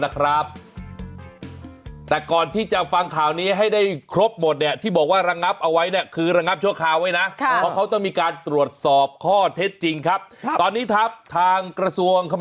อ้าเบียนนี่คือเรื่องของดรามาเกณฑ์